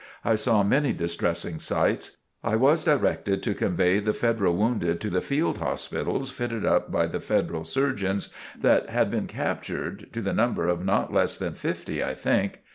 I saw many distressing sights. I was directed to convey the Federal wounded to the Field Hospitals fitted up by the Federal surgeons that had been captured to the number of not less than fifty, I think.